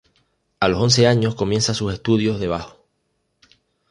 A los once años comienza sus estudios de bajo.